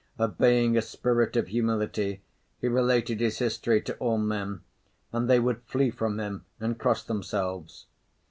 Obeying a spirit of humility, he related his history to all men, and they would flee from him and cross themselves.